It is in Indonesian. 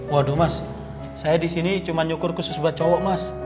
waduh mas saya disini cuma nyukur khusus buat cowok mas